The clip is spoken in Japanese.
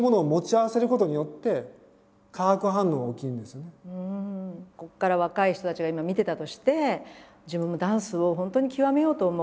けどもここから若い人たちが今見てたとして自分もダンスを本当に極めようと思う。